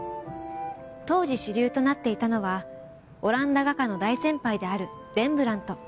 当時主流となっていたのはオランダ画家の大先輩である。